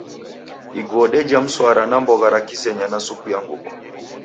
Iguo deja mswara na mbogha ra kizenya na supu ya nguku.